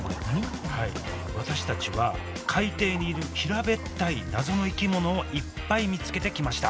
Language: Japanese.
はい私たちは海底にいる平べったい謎の生き物をいっぱい見つけてきました。